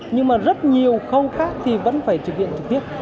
nhưng mà rất nhiều khâu khác thì vẫn phải thực hiện trực tiếp